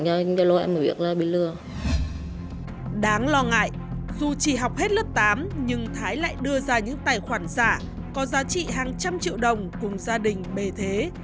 đáng lo ngại dù chỉ học hết lớp tám nhưng thái lại đưa ra những tài khoản giả có giá trị hàng trăm triệu đồng cùng gia đình bề thế